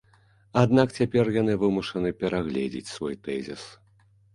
Аднак цяпер яны вымушаны перагледзіць свой тэзіс.